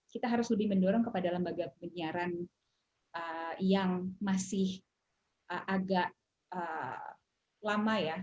kita harus lebih mendorong kepada lembaga penyiaran yang masih agak lama ya